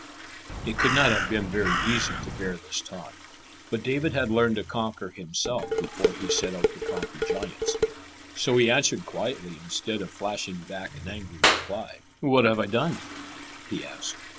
It could not have been very easy to bear this taunt. But David had learned to conquer himself before he set out to conquer giants. So he answered quietly instead of flashing back an angry reply. "What have I done?" he asked.